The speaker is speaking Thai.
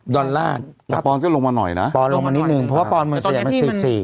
ดอลลาร์แต่ปอนก็ลงมาหน่อยนะปอนลงมานิดหนึ่งเพราะว่าปอนเหมือนจะใหญ่มันสี่สี่